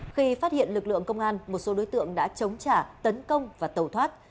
khi phát hiện lực lượng công an một số đối tượng đã chống trả tấn công và tàu thoát